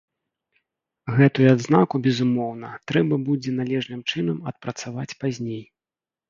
Гэтую адзнаку, безумоўна, трэба будзе належным чынам адпрацаваць пазней.